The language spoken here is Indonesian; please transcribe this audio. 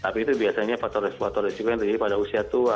tapi itu biasanya faktor resiko resikonya terjadi pada usia tua